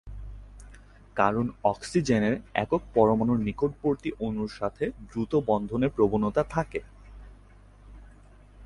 কারণ অক্সিজেনের একক পরমাণুর নিকটবর্তী অণুর সাথে দ্রুত বন্ধনের প্রবণতা থাকে।